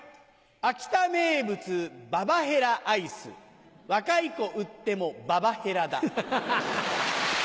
秋田名物ババヘラアイス若い子売ってもババヘラだ。